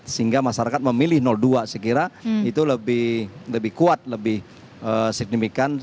sehingga masyarakat memilih dua saya kira itu lebih kuat lebih signifikan